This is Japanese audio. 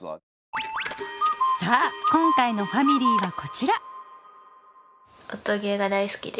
さあ今回のファミリーはこちら。